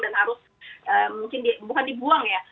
dan harus mungkin bukan dibuang ya